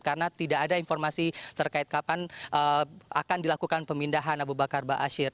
karena tidak ada informasi terkait kapan akan dilakukan pemindahan abu bakar ba'asyir